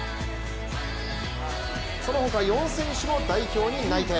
その他、４選手も代表に内定。